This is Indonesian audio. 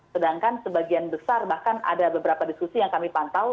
sedangkan sebagian besar bahkan ada beberapa diskusi yang kami pantau